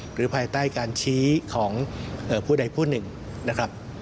ภายใต้การชี้ของผู้ใดผู้หนึ่งนะครับ